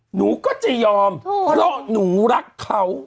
หนูก็จะยอมเพราะหนูรักเขา